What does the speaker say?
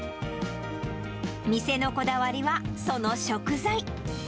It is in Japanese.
店のこだわりは、その食材。